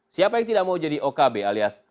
siapa yang tidak mau jadi okb alias